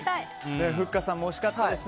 ふっかさんも惜しかったですね。